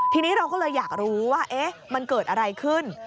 ทีนี้เราก็เลยอยากรู้ว่ามันเกิดอะไรขึ้น